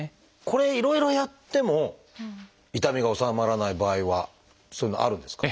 これいろいろやっても痛みが治まらない場合はそういうのあるんですか？